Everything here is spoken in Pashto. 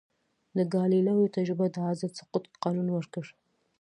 د ګالیلیو تجربه د آزاد سقوط قانون ورکړ.